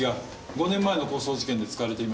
５年前の抗争事件で使われていました。